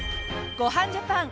『ごはんジャパン』